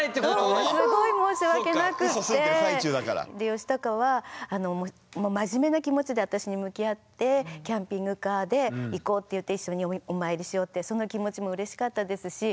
ヨシタカはもう真面目な気持ちで私に向き合ってキャンピングカーで行こうって言って一緒にお参りしようってその気持ちもうれしかったですし